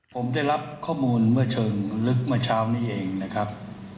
ผมได้รับข้อมูลเมื่อเชิงลึกเมื่อเช้านี้เองนะครับ